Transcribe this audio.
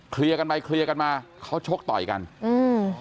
กันไปเคลียร์กันมาเขาชกต่อยกันอืม